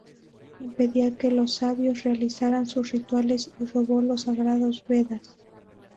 Impedía que los sabios realizaran sus rituales y robó los sagrados "Vedas".